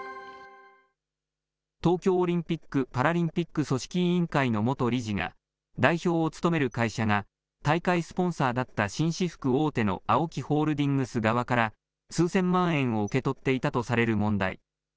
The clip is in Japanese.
東京オリンピック・パラリンピック組織委員会の元理事が、代表を務める会社が、大会スポンサーだった紳士服大手のＡＯＫＩホールディングス側から、数千万円を受け取っていたとされる問題。